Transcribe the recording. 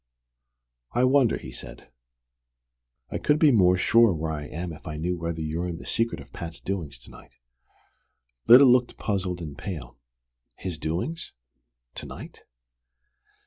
"I wonder?" he said. "I could be more sure where I am if I knew whether you're in the secret of Pat's doings to night." Lyda looked puzzled and pale. "His doings to night?